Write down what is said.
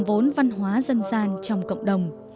vốn văn hóa dân gian trong cộng đồng